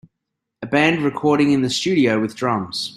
A band recording in the stdio with drums.